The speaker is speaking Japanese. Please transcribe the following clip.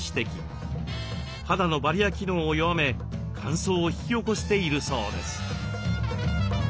肌のバリア機能を弱め乾燥を引き起こしているそうです。